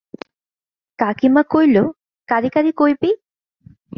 কাকীমা কইল, কারে কারে কইবি?